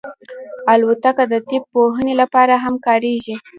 الوتکه د طب پوهنې لپاره هم کارېږي.